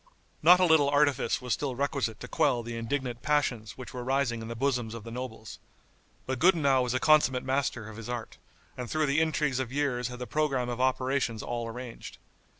Not a little artifice was still requisite to quell the indignant passions which were rising in the bosoms of the nobles. But Gudenow was a consummate master of his art, and through the intrigues of years had the programme of operations all arranged.